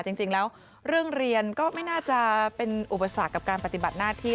จริงแล้วเรื่องเรียนก็ไม่น่าจะเป็นอุปสรรคกับการปฏิบัติหน้าที่